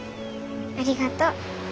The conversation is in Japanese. ありがとう。